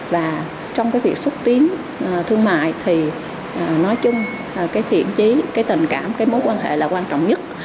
và trong cái việc xúc tiến thương mại thì nói chung cái thiện trí cái tình cảm cái mối quan hệ là quan trọng nhất